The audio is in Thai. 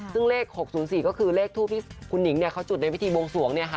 ซึ่งเลข๖๐๔ก็คือเลขทูปที่คุณหนิงเขาจุดในพิธีบวงสวงเนี่ยค่ะ